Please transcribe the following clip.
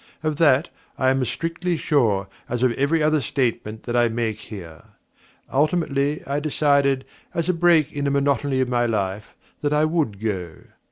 Of that I am as strictly sure as of every other statement that I make here. Ultimately I decided, as a break in the monotony of my life, that I would go.